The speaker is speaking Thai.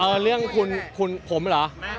เรื่องคุณผมเหรอ